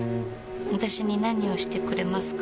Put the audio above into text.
私に何をしてくれますか？